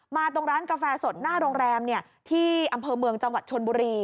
ตรงร้านกาแฟสดหน้าโรงแรมที่อำเภอเมืองจังหวัดชนบุรี